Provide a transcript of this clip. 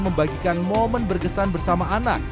membagikan momen berkesan bersama anak